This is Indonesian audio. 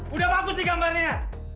udah bagus nih gambarnya